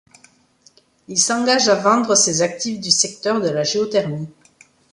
Il s'engage à vendre ses actifs du secteur de la géothermie.